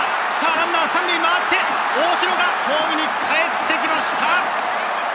ランナーは３塁を回って大城がホームにかえってきました。